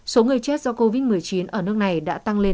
số người chết do covid một mươi chín ở nước này đã tăng lên